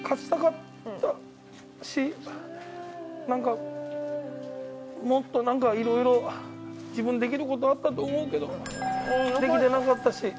なんかもっといろいろ自分できることあったと思うけどできてなかったし。